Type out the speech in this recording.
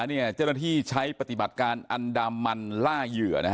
เจ้าหน้าที่ใช้ปฏิบัติการอันดามันล่าเหยื่อ